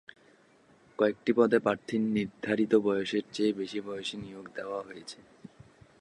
কয়েকটি পদে প্রার্থীর নির্ধারিত বয়সের চেয়ে বেশি বয়সীদের নিয়োগ দেওয়া হয়েছে।